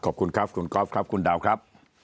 ขอบคุณครับคุณก๊อฟครับคุณดาวครับ